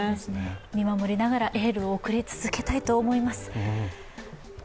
見守りながらエールを送り続けたいと思います。